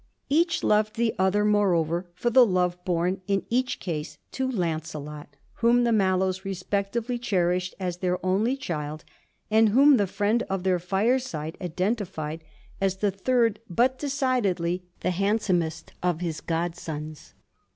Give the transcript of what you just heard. Each loved the other moreover for the love borne in each case to Lancelot, whom the Mallows respectively cherished as their only child and whom the friend of their fireside identified as the third but decidedly the handsomest of his godsons.